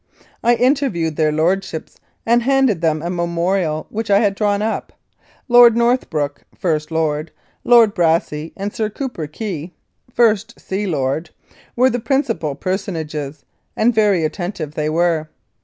I interviewed their Lordships and handed them a memorial which I had drawn up. Lord Northbrook (First Lord), Lord Brassey, and Sir Cooper Key (First Sea Lord) were the principal per sonages, and very attentive they were.